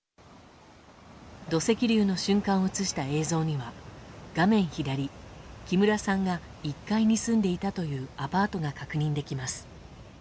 土石流の瞬間を映した映像には画面左木村さんが１階に住んでいたというアパートが確認できます。